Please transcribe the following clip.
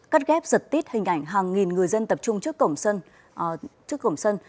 cắt ghép giật tít hình ảnh hàng nghìn người dân tập trung trước cổng sân